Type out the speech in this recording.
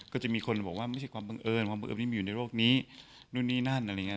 ก็จะมีคนบอกว่าไม่ใช่ความบังเอิญความบังเอิญมันอยู่ในโรคนี้นู่นนี่นั่น